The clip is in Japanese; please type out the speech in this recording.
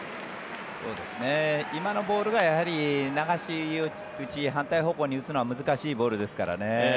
今のボールは流し打ち反対方向に打つのは難しいボールですからね。